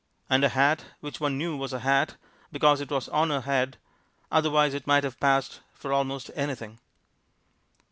And a hat which one knew was a hat, because it was on her head, otherwise it might have passed for almost anything.